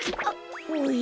おや？